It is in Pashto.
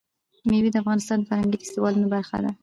مېوې د افغانستان د فرهنګي فستیوالونو برخه ده.